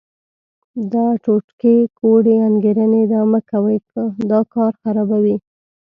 دا ټوټکې، کوډې، انګېرنې دا مه کوئ، دا کار خرابوي.